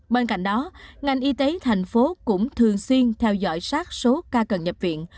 bên cạnh đó ngành y tế thành phố cũng thường xuyên theo dõi sát số ca cần nhập viện